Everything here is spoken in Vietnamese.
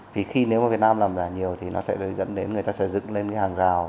vì khi nếu mà việt nam làm giả nhiều thì nó sẽ dẫn đến người ta sẽ dựng lên cái hàng rào